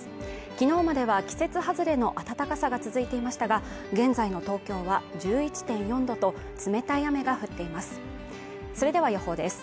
昨日までは季節外れの暖かさが続いていましたが現在の東京は１１．４度と冷たい雨が降っています